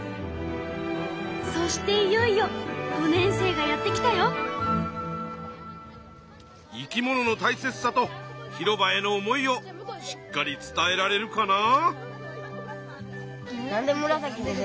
そしていよいよ５年生がやって来たよ。生き物の大切さと広場への思いをしっかり伝えられるかな？